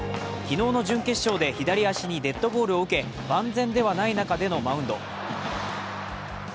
昨日の準決勝で左足にデッドボールを受け万全ではない中でのマウンド。